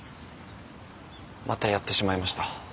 またやってしまいました。